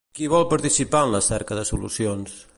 Qui vol participar en la cerca de solucions?